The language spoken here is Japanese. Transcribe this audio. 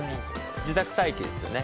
自宅待機ですよね。